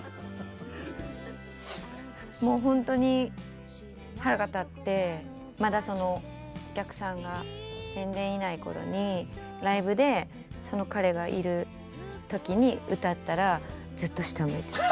もうほんとに腹が立ってまだお客さんが全然いない頃にライブでその彼がいる時に歌ったらずっと下向いてた。